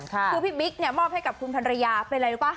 คลุคี่บิ๊กมอบให้กับคุณพันเรียเป็นไรล่ะกะ